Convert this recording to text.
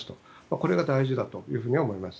これが大事だと思います。